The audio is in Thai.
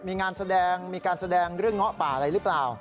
มีงานแสดงมีการแสดงเรื่องเงาะป่าอะไรหรือเปล่า